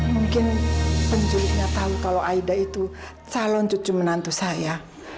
mungkin penculiknya tahu kalau aida itu calon cucu menantu saya